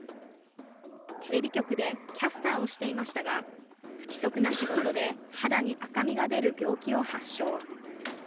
テレビ局でキャスターをしていましたが、不規則な仕事で、肌に赤みが出る病気を発症。